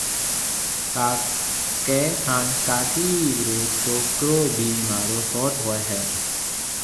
ڪاڪيَ هانَ ڪاڪِي رو ڇوڪرو ڀِي مهارو سئوٽ هوئي هيَ